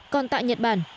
còn tại nhật bản